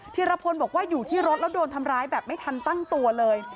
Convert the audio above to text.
รพลบอกว่าอยู่ที่รถแล้วโดนทำร้ายแบบไม่ทันตั้งตัวเลย